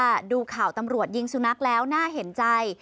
ถ้าดูข่าวตำรวจยิงสุนัขแล้วน่าเห็นใจ